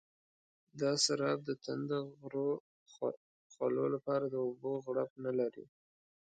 دا سراب د تنده غرو خولو لپاره د اوبو غړپ نه لري.